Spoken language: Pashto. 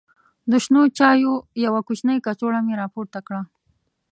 د شنو چایو یوه کوچنۍ کڅوړه مې راپورته کړه.